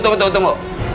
tunggu tunggu tunggu